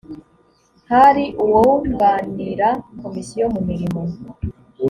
hari uwunganira komisiyo mu mirimo